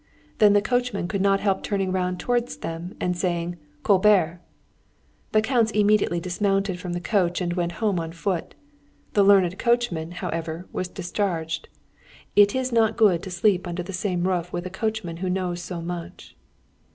Then the coachman could not help turning round towards them, and saying, "Colbert!" The Counts immediately dismounted from the coach and went home on foot. The learned coachman, however, was discharged. It is not good to sleep under the same roof with a coachman who knows so much.